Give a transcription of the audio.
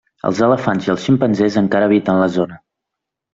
Els elefants i els ximpanzés encara habiten la zona.